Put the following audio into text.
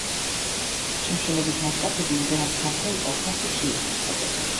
შიმშილობის მასშტაბები იმდენად ფართო იყო, ხალხი პირდაპირ ქალაქის ქუჩებში იხოცებოდა.